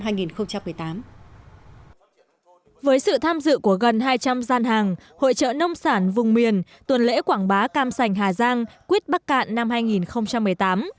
với sự tham dự của gần hai trăm linh gian hàng hội trợ nông sản vùng miền tuần lễ quảng bá cam sành hà giang quyết bắc cạn năm hai nghìn một mươi tám